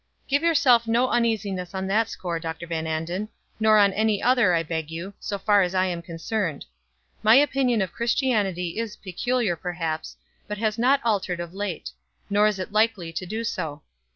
"Give yourself no uneasiness on that score, Dr. Van Anden, nor on any other, I beg you, so far as I am concerned. My opinion of Christianity is peculiar perhaps, but has not altered of late; nor is it likely to do so.